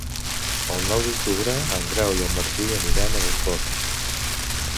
El nou d'octubre en Grau i en Martí aniran a Montfort.